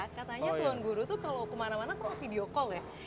katanya tuan guru tuh kalau kemana mana sama video call ya